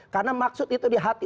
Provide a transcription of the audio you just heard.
karena maksud itu di hati